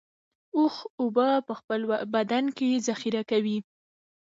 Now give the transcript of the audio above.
اوښ اوبه په خپل بدن کې ذخیره کوي